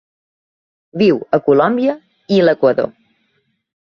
Viu a Colòmbia i l'Equador.